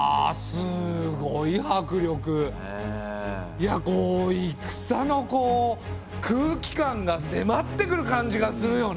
いやこう戦の空気感がせまってくる感じがするよね！